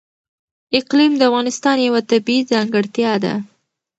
اقلیم د افغانستان یوه طبیعي ځانګړتیا ده.